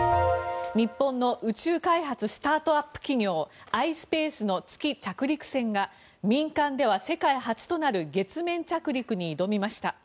日本の宇宙開発スタートアップ企業ｉｓｐａｃｅの月着陸船が民間では世界初となる月面着陸に挑みました。